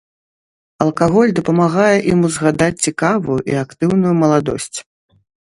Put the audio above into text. Алкаголь дапамагае ім узгадаць цікавую і актыўную маладосць.